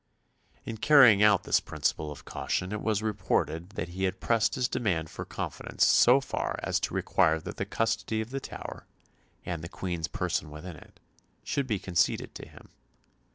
In carrying out this principle of caution it was reported that he had pressed his demand for confidence so far as to require that the custody of the Tower, and the Queen's person within it, should be conceded to him.